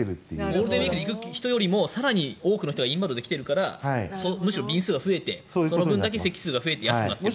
ゴールデンウィークに行く人よりも更に多くの人がインバウンドで来てるからむしろ便数が増えてその分だけ席数が増えて安くなっていると。